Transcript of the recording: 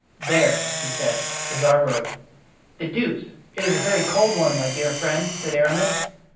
"There," he said, "is our road." "The deuce! it is a very cold one, my dear friend," said Aramis.